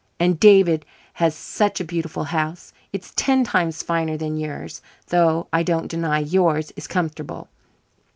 And David has such a beautiful house! It's ten times finer than yours, though I don't deny yours is comfortable.